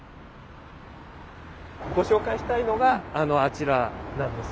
ご紹介したいのがあちらなんです。